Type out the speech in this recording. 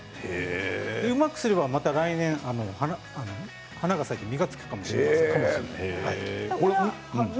うまくすれば来年、花が咲いて実が付くかもしれません。